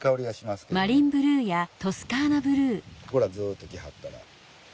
ここらずっと来はったら。